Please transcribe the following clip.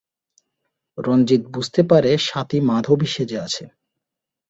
রঞ্জিত বুঝতে পারে স্বাতী মাধবী সেজে আছে।